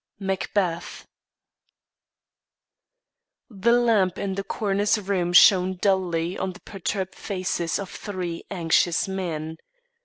Macbeth. The lamp in the coroner's room shone dully on the perturbed faces of three anxious men.